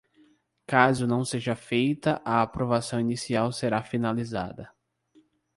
Caso não seja feita, a aprovação inicial será finalizada.